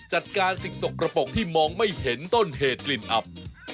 จัดการสิ่งสกระปกที่มองไม่เห็นต้นเหตุกลิ่นอับ